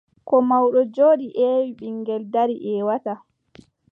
Ko mawɗo jooɗi ƴeewi, ɓiŋngel darii ƴeewataa.